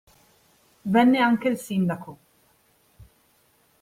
Venne anche il sindaco.